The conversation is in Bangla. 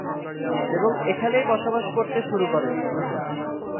এবং এখানেই বসবাস করতে শুরু করেন।